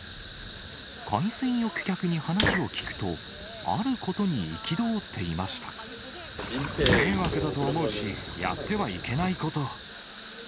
海水浴客に話を聞くと、あること迷惑だと思うし、やってはいけないこと。